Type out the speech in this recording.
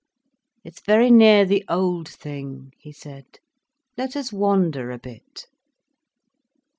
"It's very near the old thing," he said. "Let us wander a bit."